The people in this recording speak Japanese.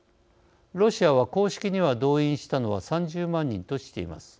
ロシアは公式には、動員したのは３０万人としています。